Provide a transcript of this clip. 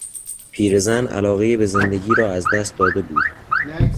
پیرزن علاقهی به زندگی را از دست داده بود.